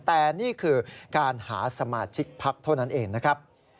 แต่นี่คือการหาสมาชิกพักเท่านั้นเองนะครับ